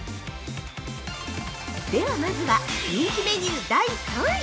では、まずは人気メニュー第３位。